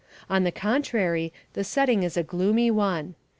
On the contrary, the setting is a gloomy one.